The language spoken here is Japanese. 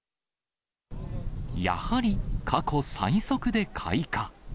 やはり、過去最速で開花。